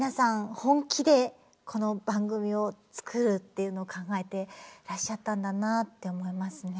本気でこの番組を作るっていうの考えていらっしゃったんだなあって思いますね。